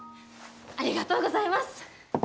ありがとうございます。